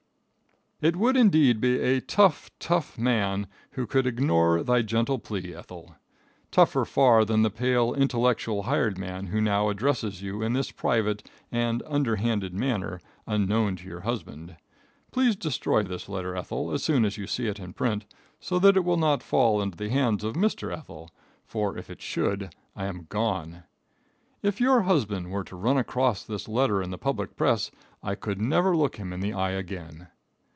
It would indeed be a tough, tough man who could ignore thy gentle plea, Ethel; tougher far than the pale, intellectual hired man who now addresses you in this private and underhanded manner, unknown to your husband. Please destroy this letter, Ethel, as soon as you see it in print, so that it will not fall into the hands of Mr. Ethel, for if it should, I am gone. If your husband were to run across this letter in the public press I could never look him in the eye again.